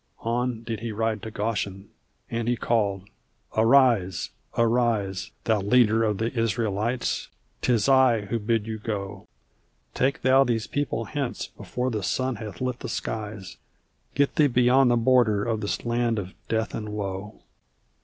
On did he ride to Goshen, and he called "Arise! Arise! Thou leader of the Israelites, 'tis I who bid you go! Take thou these people hence, before the sun hath lit the skies; Get thee beyond the border of this land of death and woe!"